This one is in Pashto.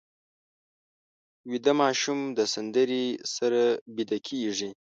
ویده ماشوم د سندرې سره ویده کېږي